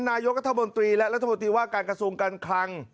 นายกฎาบนตรีและรัฐบุติว่าการกระทงกันครัง